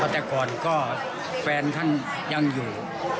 แต่ก่อนก็แฟนท่านยังอยู่